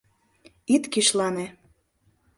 — Ит кишлане!